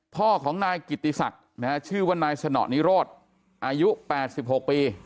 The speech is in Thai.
พ่อของนายกิติศักดิ์ชื่อว่านายสนิโรธอายุ๘๖ปี